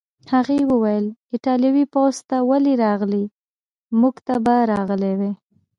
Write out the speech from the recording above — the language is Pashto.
هغې وویل: ایټالوي پوځ ته ولې راغلې؟ موږ ته به راغلی وای.